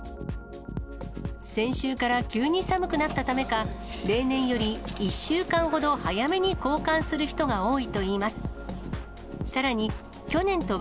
先週から急に寒くなったためか、例年より１週間ほど早めに交換する人が多いといいます。